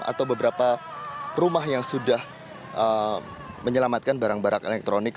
atau beberapa rumah yang sudah menyelamatkan barang barang elektronik